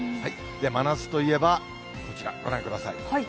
真夏といえばこちら、ご覧ください。